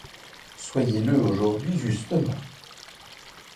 Soyez-le aujourd'hui justement.